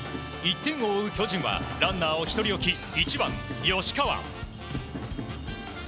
１点を追う巨人はランナーを１人置き１番、吉川。